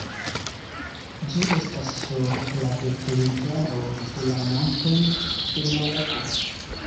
Ĝi estas sur la deklivaro de la Montoj de Malago.